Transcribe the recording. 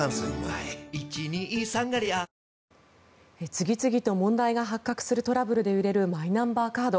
次々とトラブルが発覚する問題で揺れるマイナンバーカード。